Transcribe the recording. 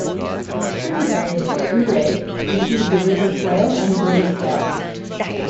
Tributaries of the Ure include the River Swale and the River Skell.